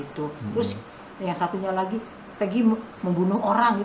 terus yang satunya lagi pergi membunuh orang